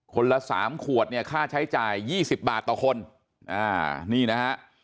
ละสามขวดเนี่ยค่าใช้จ่ายยี่สิบบาทต่อคนอ่านี่นะฮะ